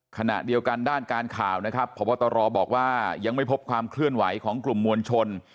ขณะเดียวกันด้านการข่าวนะครับพบตรบอกว่ายังไม่พบความเคลื่อนไหวของกลุ่มมวลชน